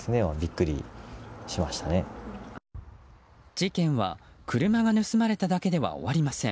事件は車が盗まれただけでは終わりません。